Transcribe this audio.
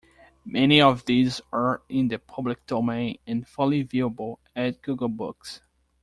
Many of these are in the public domain and fully viewable at Google Books.